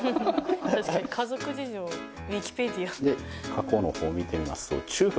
過去の方見てみますと。